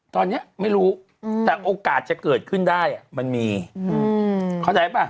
ตอนนี้ไม่รู้แต่โอกาสจะเกิดขึ้นได้มันมีเข้าใจป่ะ